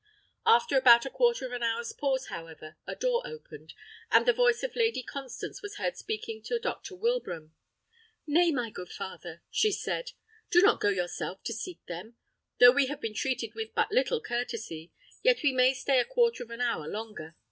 After about a quarter of an hour's pause, however, a door opened, and the voice of Lady Constance was heard speaking to Dr. Wilbraham. "Nay, my good father," she said, "do not go yourself to seek them. Though we have been treated with but little courtesy, yet we may stay a quarter of an hour longer.